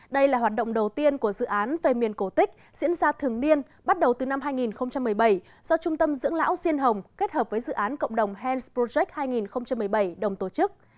đây là hoạt động đầu tiên của dự án về miền cổ tích diễn ra thường niên bắt đầu từ năm hai nghìn một mươi bảy do trung tâm dưỡng lão diên hồng kết hợp với dự án cộng đồng hanceprojec hai nghìn một mươi bảy đồng tổ chức